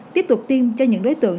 tiếp tục tiêm cho những đối tượng